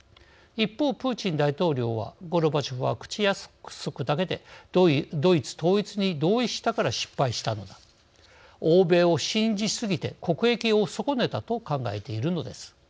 一方、プーチン大統領はゴルバチョフは、口約束だけでドイツ統一に同意したから失敗したのだ欧米を信じ過ぎて国益を損ねたと考えているのです。